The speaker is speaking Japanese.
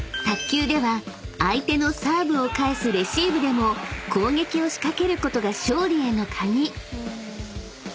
［卓球では相手のサーブを返すレシーブでも攻撃を仕掛けることが勝利への鍵］